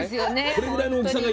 これぐらいの大きさがいいな。